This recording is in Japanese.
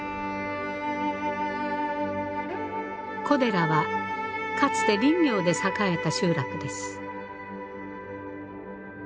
古寺はかつて林業で栄えた集落です。